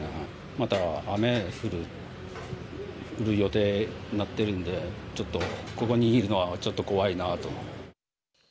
また雨降る予定になっているんでちょっとここにいるのは怖いなと。